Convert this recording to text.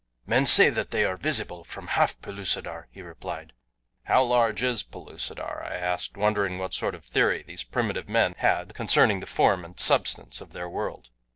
"Men say that they are visible from half Pellucidar," he replied. "How large is Pellucidar?" I asked, wondering what sort of theory these primitive men had concerning the form and substance of their world.